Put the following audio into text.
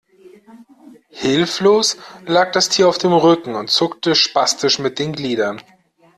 Hilflos lag das Tier auf dem Rücken und zuckte spastisch mit den Gliedern.